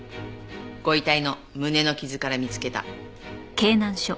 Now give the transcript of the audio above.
ご遺体の胸の傷から見つけた。